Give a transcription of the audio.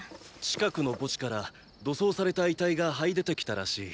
近くの墓地から土葬された遺体が這い出てきたらしい。